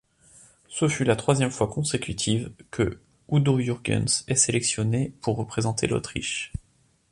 Ce fut la troisième fois consécutive que Udo Jürgens est sélectionné pour représenter l'Autriche.